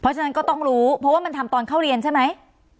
เพราะฉะนั้นก็ต้องรู้เพราะว่ามันทำตอนเข้าเรียนใช่ไหม